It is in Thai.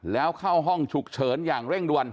แล้วเข้าห้องฉุกเฉินอย่างเร่งด่วน